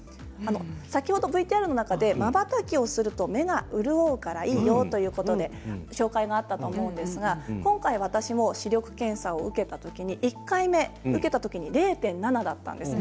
先ほどＶＴＲの中でまばたきをすると目が潤うからいいよということで、紹介があったと思うんですが今回、私も視力検査を受けたときに１回目０．７だったんです。